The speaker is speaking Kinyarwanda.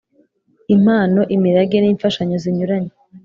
Impano imirage n imfashanyo zinyuranye